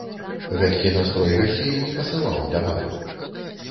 Гэткі настрой гасцей не пасаваў да балю.